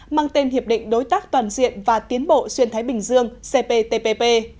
mang tên hiệp định đối tác toàn diện và tiến bộ xuyên thái bình dương cptpp